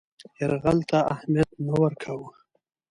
یرغل ته اهمیت نه ورکاوه.